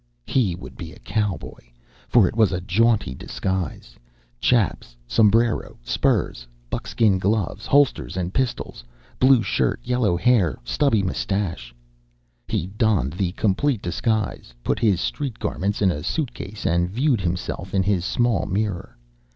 He would be a cowboy, for it was a jaunty disguise "chaps," sombrero, spurs, buckskin gloves, holsters and pistols, blue shirt, yellow hair, stubby mustache. He donned the complete disguise, put his street garments in a suitcase and viewed himself in his small mirror.